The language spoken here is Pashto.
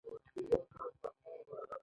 نو باید د زرینې قاعدې له مخې عمل وکړي.